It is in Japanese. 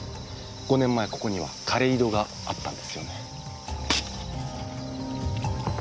５年前ここには枯れ井戸があったんですよね。